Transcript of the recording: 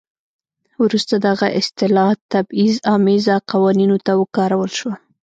وروسته دغه اصطلاح تبعیض امیزه قوانینو ته وکارول شوه.